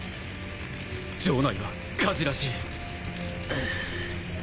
城内は火事らしい。